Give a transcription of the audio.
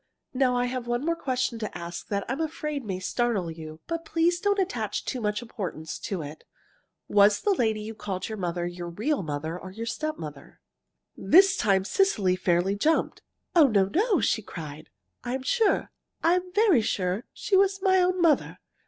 "Now, I have one more question to ask that I'm afraid may startle you, but please don't attach too much importance to it. Was the lady you called mother your real mother or your stepmother?" This time Cecily fairly jumped. "Oh, no, no!" she cried. "I'm sure, I'm very sure she was my own mother.